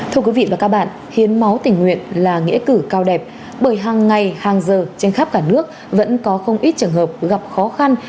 thưa quý vị và các bạn hiến máu tình nguyện là nghĩa cử cao đẹp bởi hàng ngày hàng giờ trên khắp cả nước vẫn có không ít trường hợp gặp khó khăn